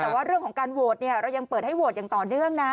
แต่ว่าเรื่องของการโหวตเนี่ยเรายังเปิดให้โหวตอย่างต่อเนื่องนะ